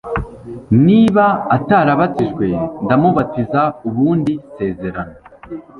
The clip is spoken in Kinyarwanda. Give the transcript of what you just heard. niba atarabatijwe ndamubatiza ubundi sezerane.